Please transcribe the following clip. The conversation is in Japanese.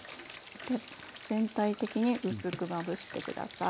で全体的に薄くまぶして下さい。